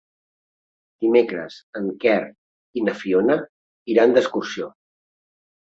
Dimecres en Quer i na Fiona iran d'excursió.